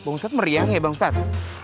bang ustadz meriang ya bang ustadz